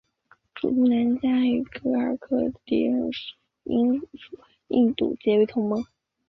楚布南嘉与廓尔喀的敌人英属印度结为同盟。